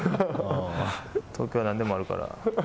東京はなんでもあるから。